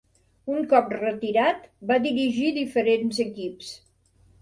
Un cop retirat, va dirigir diferents equips.